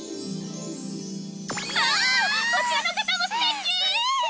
こちらの方もすてき！